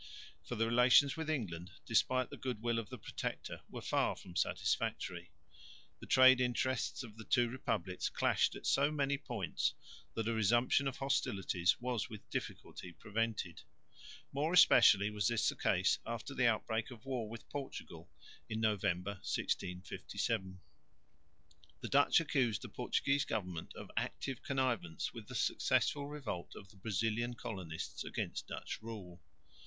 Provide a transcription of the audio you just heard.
For the relations with England, despite the goodwill of the Protector, were far from satisfactory. The trade interests of the two republics clashed at so many points that a resumption of hostilities was with difficulty prevented. More especially was this the case after the outbreak of war with Portugal in November, 1657. The Dutch accused the Portuguese government of active connivance with the successful revolt of the Brazilian colonists against Dutch rule.